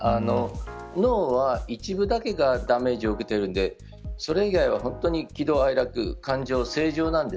脳は一部だけがダメージを受けているのでそれ以外は喜怒哀楽感情は正常なんです。